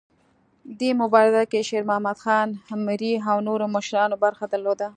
دې مبارزه کې شیرمحمد خان مري او نورو مشرانو برخه درلوده.